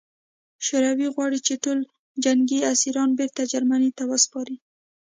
شوروي غواړي چې ټول جنګي اسیران بېرته جرمني ته وسپاري